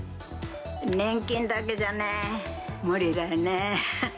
年金だけじゃね、無理だよね。